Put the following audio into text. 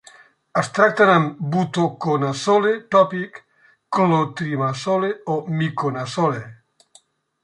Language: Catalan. Es tracten amb butoconazole tòpic, clotrimazole o miconazole.